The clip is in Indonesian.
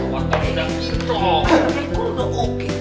waktu udah kutuk